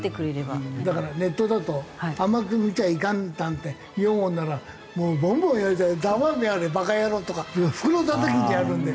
だからネットだと「甘く見ちゃいかん」なんて言うもんならもうボンボン言われて「ざまあ見やがれバカ野郎」とか袋だたきになるんで。